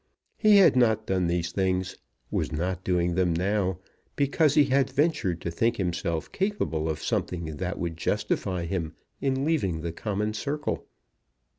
He had not done these things, was not doing them now, because he had ventured to think himself capable of something that would justify him in leaving the common circle.